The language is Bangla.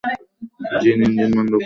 জিন, ইঞ্জিন বন্ধ কর।